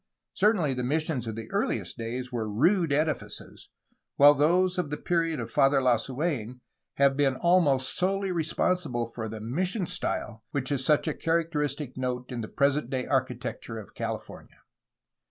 Certainly the missions of the earliest days were rude edifices, while those of the period of Father Lasu^n have been almost solely responsible for the "mission style" which is such a characteristic note in the present day architecture of California.